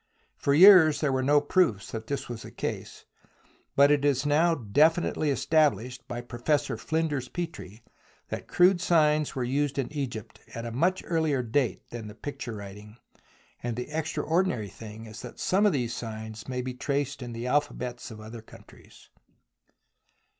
For years there were no proofs that this was the case, but it is now definitely established by Professor Flinders Petrie that crude signs were used in Egypt at a much earlier date than the picture writing, and the extraordinary thing is that some of these signs may be traced in the alphabets of other countries.